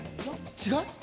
違う？